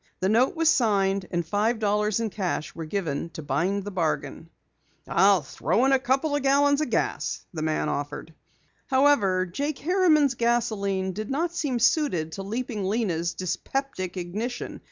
The note was signed, and five dollars in cash given to bind the bargain. "I'll throw in a few gallons of gas," the man offered. However, Jake Harriman's gasoline did not seem suited to Leaping Lena's dyspeptic ignition.